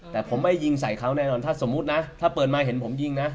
แต่ผมไม่ยิงใส่เขาแน่นอนถ้าสมมุตินะถ้าเปิดมาเห็นผมยิงนะ